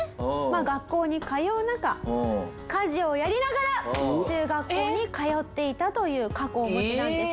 学校に通う中家事をやりながら中学校に通っていたという過去をお持ちなんです。